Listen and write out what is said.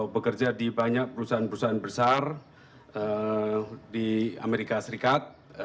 bekerja di banyak perusahaan perusahaan besar di amerika serikat